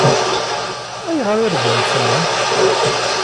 Ayɣer i regglent fell-am?